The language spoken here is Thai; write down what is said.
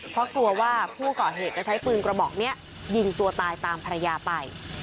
เพราะกลัวว่าผู้ก่อเหตุจะใช้ปืนกระบอกนี้ยิงตัวตายตามภรรยาไป